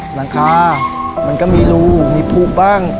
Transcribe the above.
หลังคามันก็มีรูมีภูบ้าง